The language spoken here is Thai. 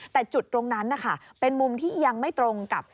แต่จุดตรงนั้นนะคะเป็นมุมที่ยังไม่ตรงกับ